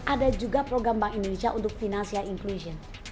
ada juga program bank indonesia untuk financial inclusion